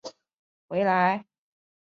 有亲属从国外回来